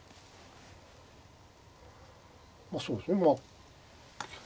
そうですねまあ。